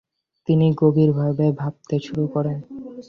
তিনি গভীরভাবে ভাবতে শুরু করেন।